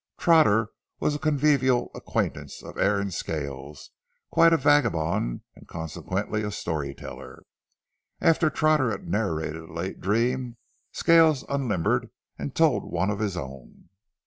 Trotter was a convivial acquaintance of Aaron Scales, quite a vagabond and consequently a story teller. After Trotter had narrated a late dream, Scales unlimbered and told one of his own.